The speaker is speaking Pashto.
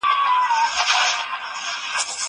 زه به لوبه کړې وي.